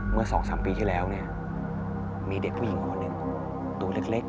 เมื่อสองสามปีที่แล้วเนี่ยมีเด็กผู้หญิงเหาะหนึ่งหนูเล็ก